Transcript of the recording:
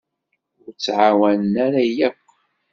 Ur t-ɛawnen ara yakk.